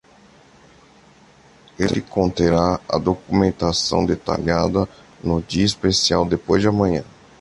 Ele conterá a documentação detalhada no dia especial depois de amanhã.